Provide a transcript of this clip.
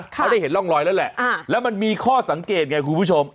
เขาได้เห็นร่องรอยแล้วแหละแล้วมันมีข้อสังเกตไงคุณผู้ชม